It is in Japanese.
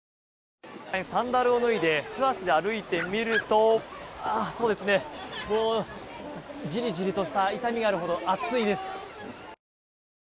サンダルを脱いで素足で歩いてみるとじりじりとした痛みがあるほど暑いです。